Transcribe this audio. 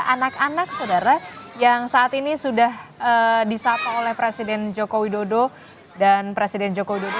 anak anak saudara yang saat ini sudah disapa oleh presiden joko widodo dan presiden joko widodo